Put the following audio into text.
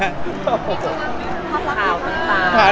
พอสาวพอสาว